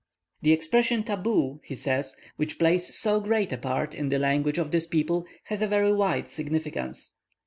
The expression "tabu," he says, "which plays so great a part in the language of this people, has a very wide significance.